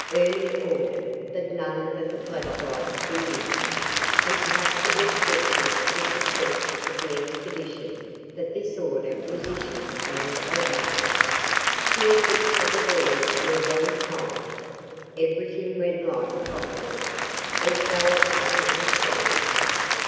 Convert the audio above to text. Ernie ordered that none of the flashlights be used, and perhaps it was fortunate for the success of the expedition that this order was issued and obeyed. The efforts of the boys were well timed. Everything went like clockwork, or so it afterward seemed.